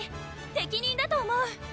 適任だと思う！